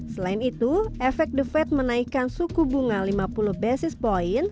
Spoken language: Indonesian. selain itu efek the fed menaikkan suku bunga lima puluh basis point